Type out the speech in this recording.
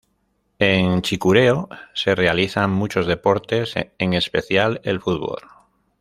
En Chicureo se realizan muchos deportes, en especial el fútbol.